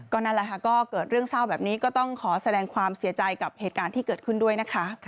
นั่นแหละค่ะก็เกิดเรื่องเศร้าแบบนี้ก็ต้องขอแสดงความเสียใจกับเหตุการณ์ที่เกิดขึ้นด้วยนะคะ